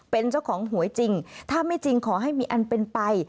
เป็นเจ้าของหวยจริงถ้าไม่จริงขอให้มีอันเป็นไป